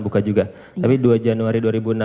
buka juga tapi dua januari dua ribu dua puluh